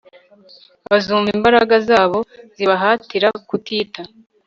bazumva imbaraga zabo zibahatira kutita